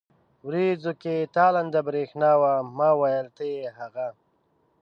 ورېځو کې تالنده برېښنا وه، ما وېل ته يې هغه.